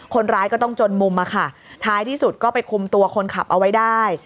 คนร้ายก็ต้องจนมุมอะค่ะท้ายที่สุดก็ไปคุมตัวคนขับเอาไว้ได้